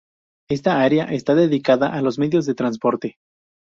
Esta área está dedicada a los medios de transporte.